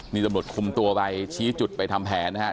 นี่ตำรวจคุมตัวไปชี้จุดไปทำแผนนะครับ